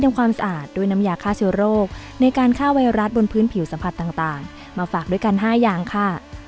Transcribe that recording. ความสะอาดด้วยน้ำยาฆ่าเชื้อโรคในการฆ่าไวรัสบนพื้นผิวสัมผัสต่างมาฝากด้วยกัน๕อย่างค่ะ